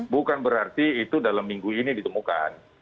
bukan berarti itu dalam minggu ini ditemukan